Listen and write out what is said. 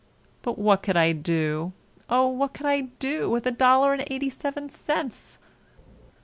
But what could I do—oh! what could I do with a dollar and eighty seven cents?"